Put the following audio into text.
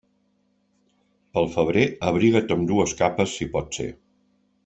Pel febrer, abriga't amb dues capes si pot ser.